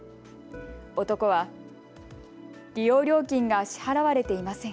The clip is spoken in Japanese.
男は、利用料金が支払われていません。